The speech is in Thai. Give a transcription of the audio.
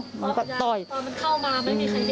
ต้อยตอนมันเข้ามาไม่มีใครเห็นหรอก